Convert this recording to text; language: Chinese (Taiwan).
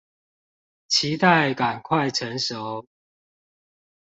期待趕快成熟